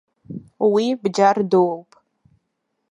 Уи бџьар дууп.